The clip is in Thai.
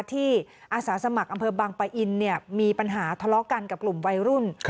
อาสาสมัครอำเภอบางปะอินมีปัญหาทะเลาะกันกับกลุ่มวัยรุ่น